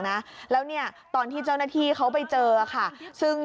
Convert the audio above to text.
ไปแล้วจัดกรุงจัดกรุงจัดกรุง